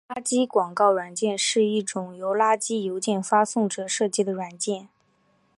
垃圾广告软件是一种由垃圾邮件发送者设计的软件。